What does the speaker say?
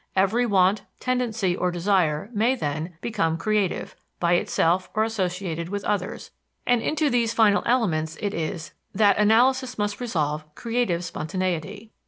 Every want, tendency or desire may, then, become creative, by itself or associated with others, and into these final elements it is that analysis must resolve "creative spontaneity."